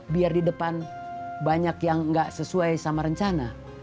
biar di depan banyak yang nggak sesuai sama rencana